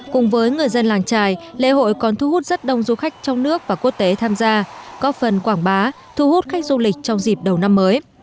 cùng với người dân làng trài lễ hội còn thu hút rất đông du khách trong nước và quốc tế tham gia góp phần quảng bá thu hút khách du lịch trong dịp đầu năm mới